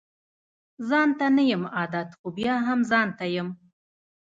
ځانته نه يم عادت خو بيا هم ځانته يم